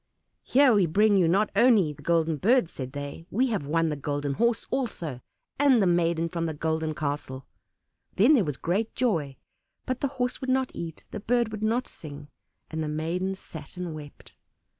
"Here we bring you not only the Golden Bird," said they; "we have won the Golden Horse also, and the maiden from the Golden Castle." Then was there great joy; but the Horse would not eat, the Bird would not sing, and the maiden sat and wept.